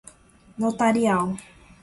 notarial